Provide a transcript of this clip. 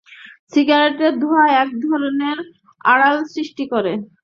সিগারেটের ধোঁয়া এক ধরনের আড়াল সৃষ্টি করে।